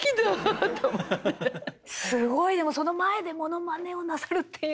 すごいでもその前でものまねをなさるっていう度胸が。